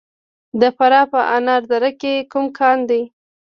د فراه په انار دره کې کوم کان دی؟